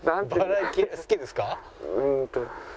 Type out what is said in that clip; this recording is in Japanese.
うーんと。